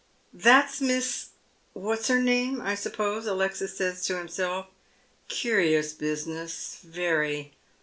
" That's Miss Whatshername, I suppose," Alexis says to himself. "Curious business, very.